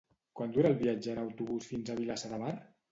Quant dura el viatge en autobús fins a Vilassar de Mar?